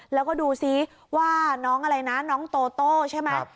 แล้วก็ดูซิว่าน้องอะไรนะน้องโตโต้ใช่ไหม